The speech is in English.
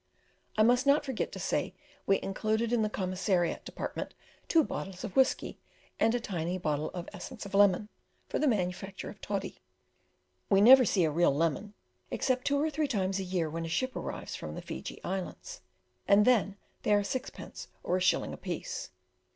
I must not forget to say we included in the commissariat department two bottles of whisky, and a tiny bottle of essence of lemon, for the manufacture of toddy. We never see a real lemon, except two or three times a year when a ship arrives from the Fiji islands, and then they are sixpence or a shilling apiece.